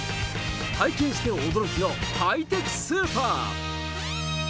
体験して驚きのハイテクスーパー。